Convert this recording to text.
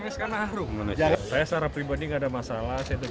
saya secara pribadi gak ada masalah